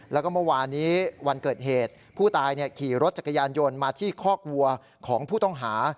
แล้วก็เมื่อวานนี้วันเกิดเหตุผู้ตายขี่รถจักรยานยนต์มาที่คอกวัวของผู้ต้องหา